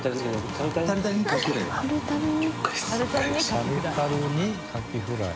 タルタルにカキフライ。